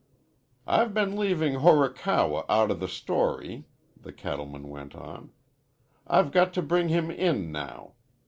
"I've been leaving Horikawa out of the story," the cattleman went on. "I've got to bring him in now.